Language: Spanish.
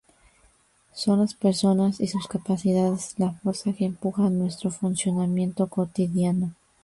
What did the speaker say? Son las personas y sus capacidades la fuerza que empuja nuestro funcionamiento cotidiano.